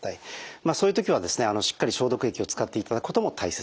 そういう時はしっかり消毒液を使っていただくことも大切です。